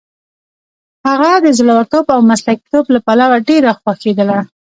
هغه د زړورتوب او مسلکیتوب له پلوه ډېره خوښېدله.